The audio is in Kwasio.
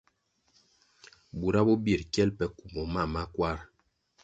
Bura bo birʼ kyel pe kumbo mam ma kwarʼ.